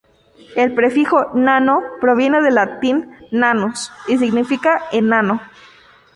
El prefijo "nano-" proviene del latín "nanus" y significa "enano".